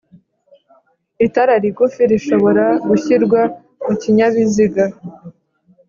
Itara rigufi rishobora gushyirwa mu kinyabiziga